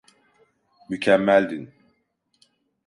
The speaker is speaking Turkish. Mükemmeldin.